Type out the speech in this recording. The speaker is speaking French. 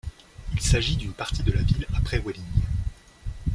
Il s'agit d'une partie de la ville après Welling.